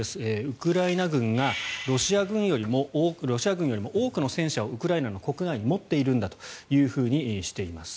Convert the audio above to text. ウクライナ軍がロシア軍よりも多くの戦車をウクライナ国内に持っているんだというふうにしています。